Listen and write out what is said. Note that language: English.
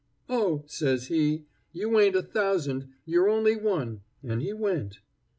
'Oh,' says he, 'you ain't a thousand; yer only one,' an' he went.